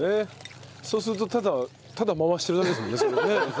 そうするとただただ回してるだけですもんねそれね。